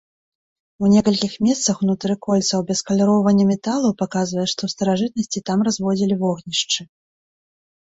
У некалькіх месцах ўнутры кольцаў абескаляроўванне мінералаў паказвае, што ў старажытнасці там разводзілі вогнішчы.